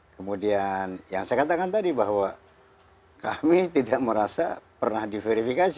kemudian yang saya katakan tadi bahwa kami tidak merasa pernah diverifikasi